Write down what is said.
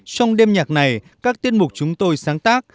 trong đêm nhạc này các tiết mục chúng tôi sáng tác